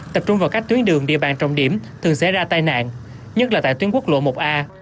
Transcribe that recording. tập trung vào các tuyến đường địa bàn trọng điểm thường xảy ra tai nạn nhất là tại tuyến quốc lộ một a